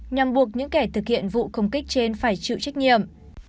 nhằm buộc những kẻ thực hiện vụ công kích trên phải chịu trách nhiệm